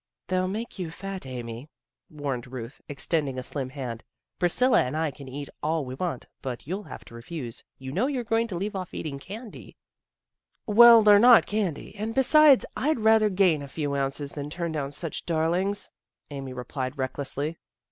" They'll make you fat, Amy," warned Ruth, extending a slim hand. " Priscilla and I can eat all we want, but you'll have to refuse. You know you're going to leave off eating candy." 26 THE GIRLS OF FRIENDLY TERRACE " Well, they're not candy, and, besides, I'd rather gain a few ounces than turn down such darlings," Amy replied recklessly.